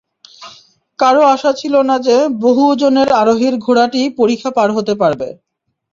কারো আশা ছিল না যে, বহু ওজনের আরোহীর ঘোড়াটি পরিখা পার হতে পারবে।